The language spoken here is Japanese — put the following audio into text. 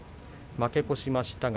負け越しました。